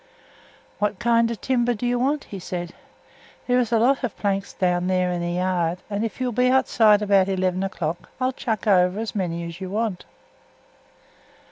"What kind of timber do you want?" he said. "There is a lot of planks down there in the yard, and if you'll be outside about eleven o'clock, I'll chuck over as many as you want."